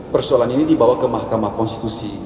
persoalan ini dibawa ke mahkamah konstitusi